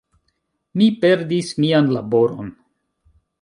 Mi perdis mian laboron.